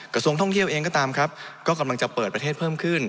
กระทรวงท่องเที่ยวเองก็ตามครับก็กำลังจะเปิดประเทศเพิ่มขึ้น